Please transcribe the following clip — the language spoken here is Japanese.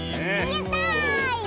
やった！